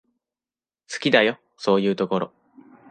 好きだよ、そういうところ。